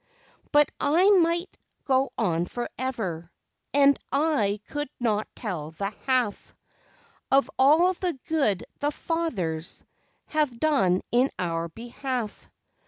But I might go on forever, And I could not tell the half Of all the good the fathers Have done in our behalf.